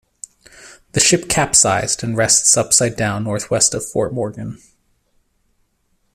The ship capsized and rests upside down northwest of Fort Morgan.